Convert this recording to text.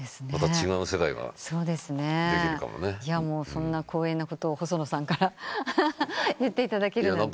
そんな光栄なことを細野さんから言っていただけるなんて。